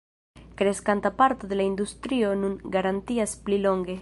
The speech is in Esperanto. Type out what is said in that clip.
Kreskanta parto de la industrio nun garantias pli longe.